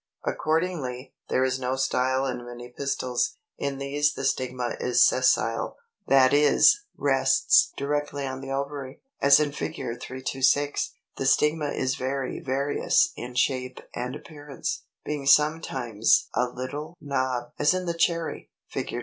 Accordingly, there is no style in many pistils: in these the stigma is sessile, that is, rests directly on the ovary (as in Fig. 326). The stigma is very various in shape and appearance, being sometimes a little knob (as in the Cherry, Fig.